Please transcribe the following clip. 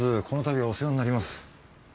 このたびはお世話になります。